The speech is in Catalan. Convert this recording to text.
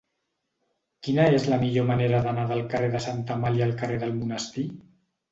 Quina és la millor manera d'anar del carrer de Santa Amàlia al carrer del Monestir?